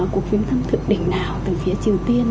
cuộc chuyến thăm thực định nào từ phía triều tiên